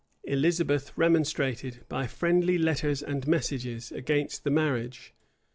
[*] Elizabeth remonstrated, by friendly letters and messages, against the marriage.